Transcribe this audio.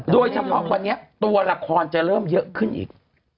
โดยสำหรับวันนี้เต่าระครจะเริ่มเยอะขึ้นอีก